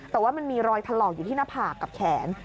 แต่ว่ามันมีรอยถลอกอยู่ที่หน้าผากกับแขน